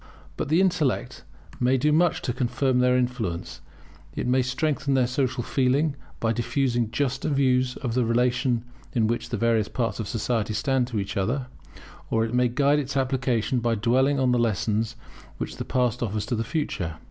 But the intellect may do much to confirm their influence. It may strengthen social feeling by diffusing juster views of the relations in which the various parts of society stand to each other; or it may guide its application by dwelling on the lessons which the past offers to the future.